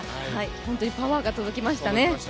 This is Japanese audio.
本当にパワーが届きましたね